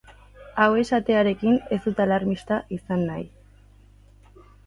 Hau esatearekin ez dut alarmista izan nahi.